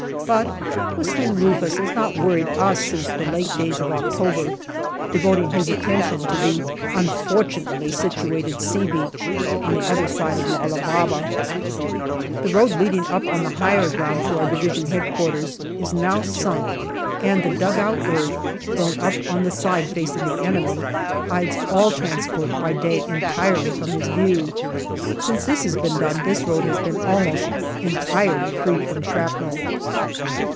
But " Whist ling Rufus " has not worried us since the late days of October, devoting his attention to the unfortunately situated " C " Beach on the other side of Lala Baba. The road leading up on the higher ground to our D.H.Q. is now sunk and the dug out earth, thrown up on the side \ 266 GALLIPOLI DIARY facing the enemy, hides all transport by day entirely from his view. Since this has been done this road has been almost entirely free from shrapnel.